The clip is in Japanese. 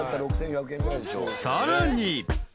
［さらに］